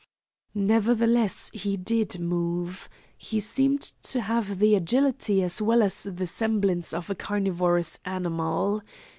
Nevertheless, he did move. He seemed to have the agility as well as the semblance of a carnivorous animal.